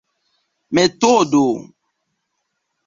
metodo